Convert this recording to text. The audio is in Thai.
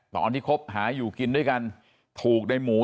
คบหาอยู่กินด้วยกันถูกในหมู